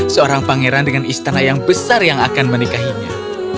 seorang pangeran dengan istana yang besar yang akan menikahinya